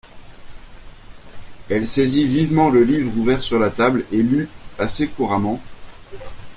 Elle saisit vivement le livre ouvert sur la table, et lut assez couramment :«…